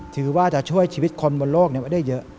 ถือว่าจะช่วยชีวิตคนบนโลกได้เยอะ